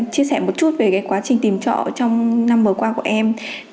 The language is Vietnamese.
chia sẻ một chút về quá trình tìm trọ trong năm vừa qua của em